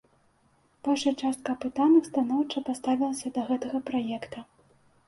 Большая частка апытаных станоўча паставілася да гэтага праекта.